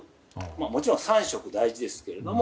もちろん３食大事ですけど。